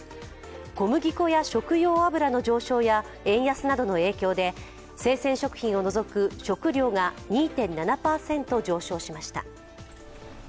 小麦粉や食用油の上昇や円安などの影響で生鮮食品を除く食料が２．７％上昇しました。